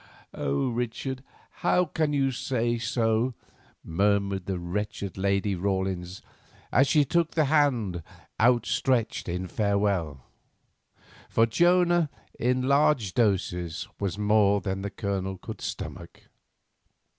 "Oh, Richard, how can you say so?" murmured the wretched Lady Rawlins, as she took the hand outstretched in farewell. For Jonah in large doses was more than the Colonel could stomach.